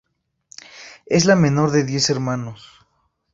Es la menor de diez hermanos.